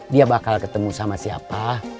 dia bakal ketemu sama siapa